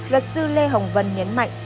luật sư lê hồng vân nhấn mạnh